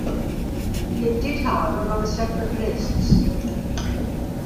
It did however run separate lists.